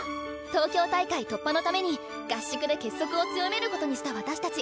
東京大会突破のために合宿で結束を強めることにした私たち。